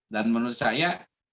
dan menurut saya